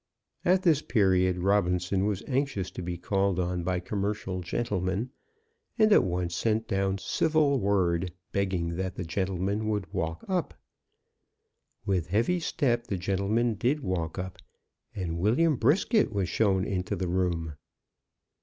At this period Robinson was anxious to be called on by commercial gentlemen, and at once sent down civil word, begging that the gentleman would walk up. With heavy step the gentleman did walk up, and William Brisket was shown into the room.